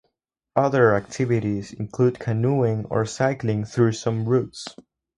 Other activities include canoeing or cycling through some routes.